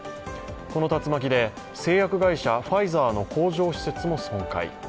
この竜巻で製薬会社ファイザーの工場施設も損壊。